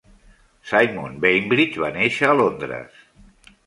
Simon Bainbridge va néixer a Londres.